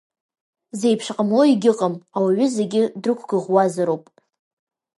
Зеиԥш ҟамло егьыҟам, ауаҩы зегьы дрықәгәыӷуазароуп…